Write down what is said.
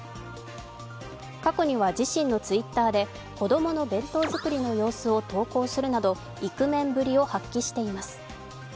過去には自身のＴｗｉｔｔｅｒで子供の弁当作りの様子を投稿するなどイクメンぶりを発揮しています。